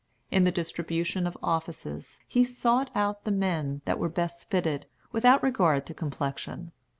In the distribution of offices, he sought out the men that were best fitted, without regard to complexion.